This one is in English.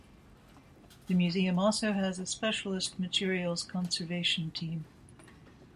The museum also has a specialist materials conservation team.